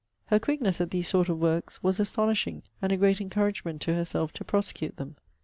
Her quickness at these sort of works was astonishing; and a great encouragement to herself to prosecute them.